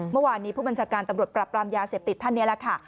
เมื่อวานนี้ผู้บัญชาการตำรวจปรับปรามยาเสพติดท่านนี้แหละค่ะ